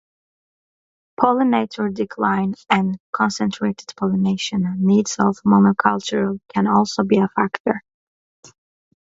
Pollinator decline and the concentrated pollination needs of monoculture can also be a factor.